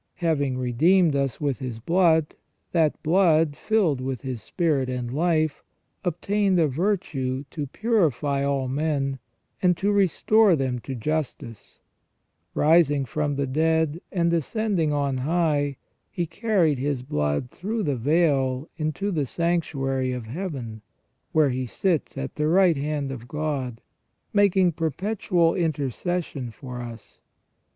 Having redeemed us with His blood, that blood, filled with His spirit and life, obtained a virtue to purify all men, and to restore them to justice. Rising from the dead and ascending on high. He carried His blood through the veil into the sanctuary of Heaven, where He sits at the right hand of God, making perpetual intercession for us.